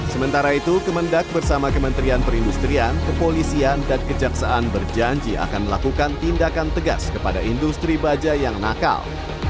sementara itu kemendak bersama kementerian perindustrian kepolisian dan kejaksaan berjanji akan melakukan tindakan tegas kepada industri baja yang nakal